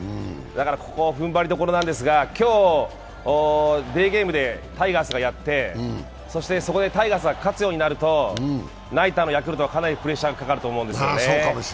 ここ、踏ん張り所なんですが、今日デーゲームでタイガースがやって、タイガースが勝つと、ナイターのヤクルトはかなりプレッシャーがかかると思うんですよね。